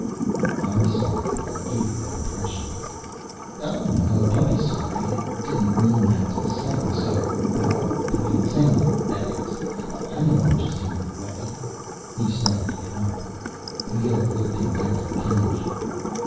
"I'm sorry if I gave you that impression—" "Oh no ... don't be sorry. I didn't mean that to sound so ... well, the way it sounded ... that is, I know I'm just in your way—" He started to get up. Leoh waved him back to the couch.